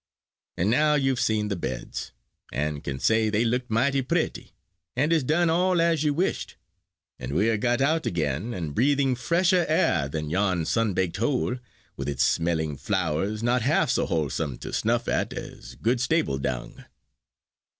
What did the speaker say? and now you've seen the beds, and can say they looked mighty pretty, and is done all as you wished; and we're got out again, and breathing fresher air than yon sunbaked hole, with its smelling flowers, not half so wholesome to snuff at as good stable dung."